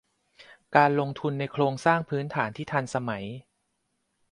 การลงทุนในโครงสร้างพื้นฐานที่ทันสมัย